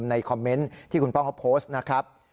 ในคอมเมนต์ที่คุณป้องเขาโพสต์นะครับ